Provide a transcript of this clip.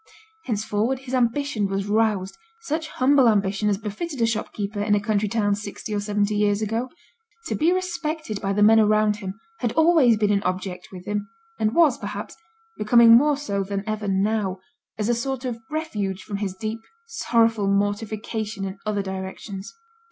Henceforward his ambition was roused, such humble ambition as befitted a shop keeper in a country town sixty or seventy years ago. To be respected by the men around him had always been an object with him, and was, perhaps, becoming more so than ever now, as a sort of refuge from his deep, sorrowful mortification in other directions.